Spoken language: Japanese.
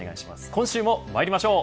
今週もまいりましょう。